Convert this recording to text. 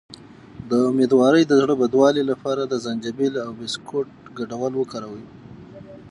د امیدوارۍ د زړه بدوالي لپاره د زنجبیل او بسکټ ګډول وکاروئ